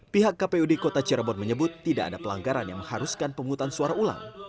pihak kpud kota cirebon menyebut tidak ada pelanggaran yang mengharuskan penghutang suara ulang